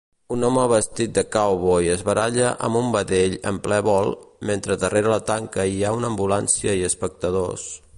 Un home vestit de cowboy es baralla amb un vedell en ple vol, mentre darrera la tanca hi ha una ambulància i espectadors